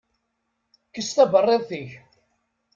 Kkes taberriḍt-ik.